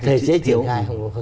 thể chế triển khai thì thiếu